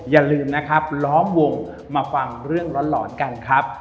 อย่าลืมนะครับล้อมวงมาฟังเรื่องหลอนกันครับ